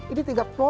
ini tiga kelompok